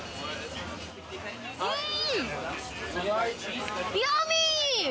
うん！